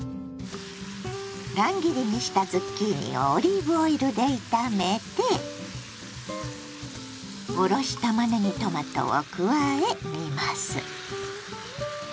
乱切りにしたズッキーニをオリーブオイルで炒めておろしたまねぎトマトを加え煮ます。